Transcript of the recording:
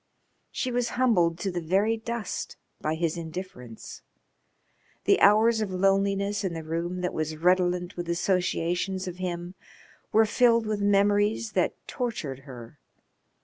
She was humbled to the very dust by his indifference. The hours of loneliness in the room that was redolent with associations of him were filled with memories that tortured her.